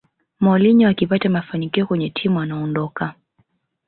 mourinho akipata mafanikio kwenye timu anaondoka